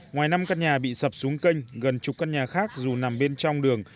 ngoài năm căn nhà bị sập xuống kênh gần chục căn nhà khác dù nằm bên trong đường